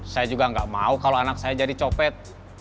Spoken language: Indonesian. saya juga nggak mau kalau anak saya jadi copet